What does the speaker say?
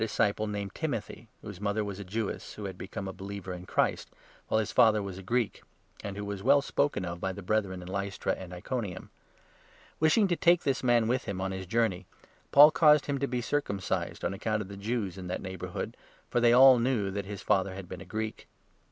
disciple, named Timothy, whose mother was a Jewess who had become a believer in Christ, while his father was a Greek, and who was well spoken of by the Brethren in 2 Lystra and Iconium. Wishing to take this man with him on 3 his journey, Paul caused him to be circumcised on account of the Jews in that neighbourhood, for they all knew that his father had been a Greek.